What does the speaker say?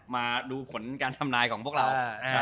มาดูผลการทำนายของพวกเรา